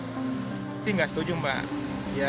saya tidak setuju mbak